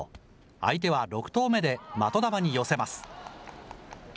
相手は６投目で、的玉に寄せます。